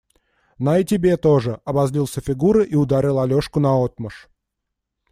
– На и тебе тоже! – обозлился Фигура и ударил Алешку наотмашь.